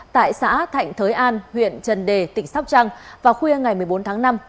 tại xã thạnh thới an huyện trần đề tỉnh sóc trăng vào khuya ngày một mươi bốn tháng năm